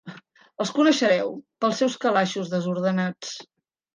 Els coneixereu pels seus calaixos desordenats.